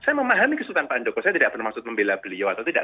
saya memahami kesulitan pak joko saya tidak bermaksud membela beliau atau tidak